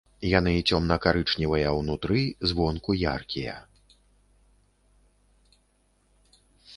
Яны цёмна-карычневыя ўнутры, звонку яркія.